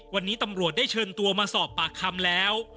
วันนี้ตำรวจได้เชิญตัวมาสอบปากคำแล้ว